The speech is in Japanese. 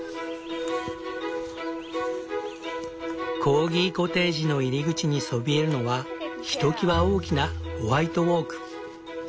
コーギコテージの入り口にそびえるのはひときわ大きなホワイトオーク。